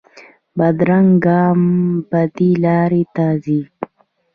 بدرنګه ګام بدې لارې ته ځي